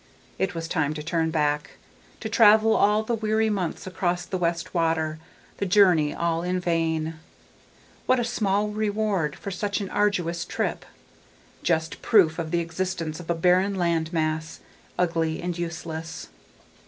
It was time to turn back, to travel all the weary months across the West Water, the journey all in vain. What a small reward for such an arduous trip ... just proof of the existence of a barren land mass, ugly and useless.